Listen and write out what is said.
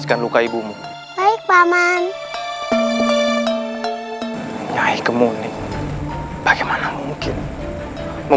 senang bertemu dengan nih mas